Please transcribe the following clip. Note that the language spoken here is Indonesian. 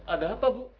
ada apa bu